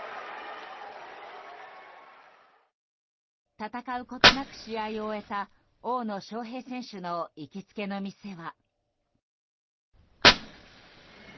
戦うことなく試合を終えた大野将平選手の行きつけの店は。